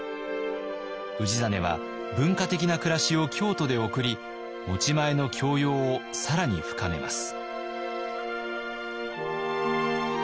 氏真は文化的な暮らしを京都で送り持ち前の教養を更に深めます。